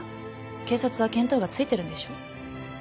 警察は見当がついてるんでしょ？